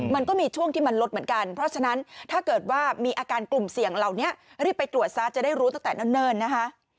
มันก็มีช่วงที่มันลดเหมือนกันเพราะฉะนั้นถ้าเกิดว่ามีอาการกลุ่มเสี่ยงเหล่านี้รีบไปตรวจซะจะได้รู้ตั้งแต่เนิ่นนะคะ